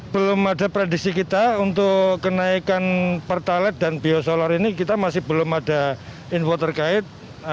belum ada prediksi kita untuk kenaikan pertalat dan biosolar ini kita masih belum ada info terkait